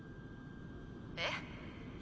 えっ？